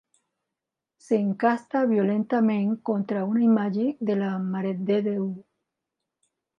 S'encasta violentament contra una imatge de la marededéu.